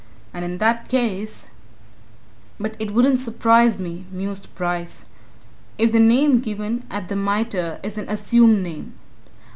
And in that case "But it wouldn't surprise me," mused Bryce, "if the name given at the Mitre is an assumed name.